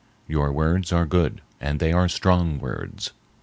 Your words are good, and they are strong words.